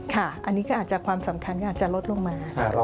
ค่ะอันนี้ความสำคัญอาจจะลดลงมา